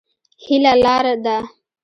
هيله لار ده.